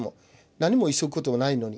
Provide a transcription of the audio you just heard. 何も急ぐことないのに。